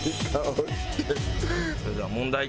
それでは問題。